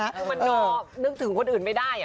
มันนอนึกถึงคนอื่นไม่ได้อ่ะ